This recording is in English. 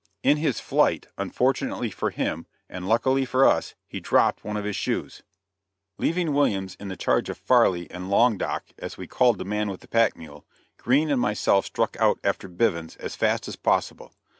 In his flight, unfortunately for him, and luckily for us, he dropped one of his shoes. Leaving Williams in the charge of Farley and "Long Doc," as we called the man with the pack mule, Green and myself struck out after Bevins as fast as possible.